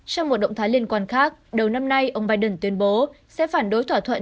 trong một động thái liên quan khác đầu năm nay ông biden tuyên bố sẽ phản đối thỏa thuận